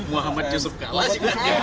muhammad yusuf kala juga